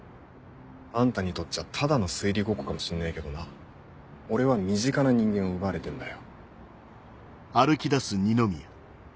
あんたにとっちゃただの推理ごっこかもしんねえけどな俺は身近な人間を奪われてんだよ。